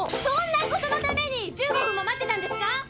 そんなことのために１５分も待ってたんですか